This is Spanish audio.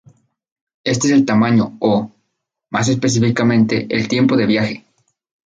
Este es el tamaño o, más específicamente, el tiempo de viaje.